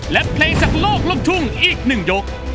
และเพลงจากโลกลูกทุ่งอีก๑ยก